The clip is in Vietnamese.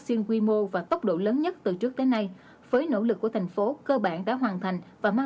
nhóm nguy cơ rất cao và nhóm có nguy cơ rất cao và nhóm có nguy cơ rất cao